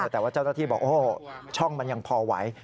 แต่ว่าเจ้าหน้าที่บอกโอ้โหช่องมันยังพอไหว